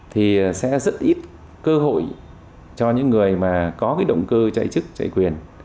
thì sẽ rất ít cơ hội cho những người mà có cái động cơ chạy chức chạy quyền